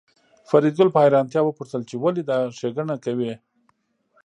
فریدګل په حیرانتیا وپوښتل چې ولې دا ښېګڼه کوې